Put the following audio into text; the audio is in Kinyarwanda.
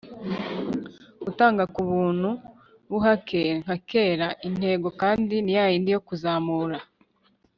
utanga ku buntu nta buhake nka kera. intego kandi ni ya yindi, yo kuzamura